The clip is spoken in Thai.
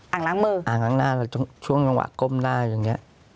งล้างมืออ่างล้างหน้าแล้วช่วงจังหวะก้มหน้าอย่างนี้